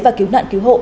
và cứu nạn cứu hộ